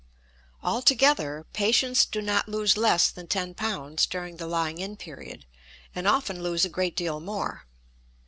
Altogether patients do not lose less than ten pounds during the lying in period, and often lose a great deal more.